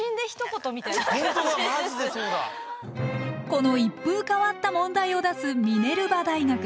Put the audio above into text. この一風変わった問題を出すミネルバ大学。